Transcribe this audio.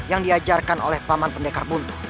yang diajarkan oleh paman pendekar bulu